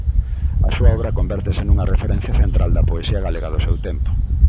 A súa obra convértese nunha referencia central da poesía galega do seu tempo.